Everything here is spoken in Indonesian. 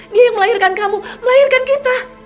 dia yang melahirkan kamu melahirkan kita